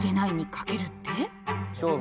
勝負？